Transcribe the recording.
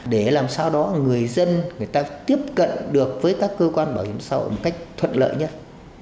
để làm sao đó người dân người ta tiếp cận được với các cơ quan bảo hiểm xã hội một cách thuận lợi nhất